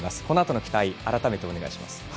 このあとの期待改めてお願いします。